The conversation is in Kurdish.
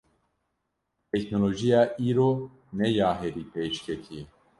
Teknolojiya îro ne ya herî pêşketî ye.